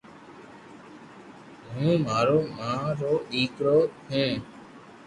ھون مارو ما رو لاڌڪو ديڪرو ھون